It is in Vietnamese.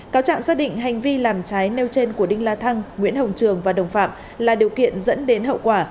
cáo trạng xác định hành vi làm trái nêu trên của đinh la thăng nguyễn hồng trường và đồng phạm là điều kiện dẫn đến hậu quả